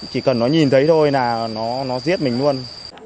chỉ cần nó nhìn thấy thôi là nó giết mình luôn